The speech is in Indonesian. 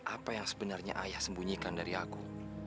apa yang sebenarnya ayah sembunyikan dari aku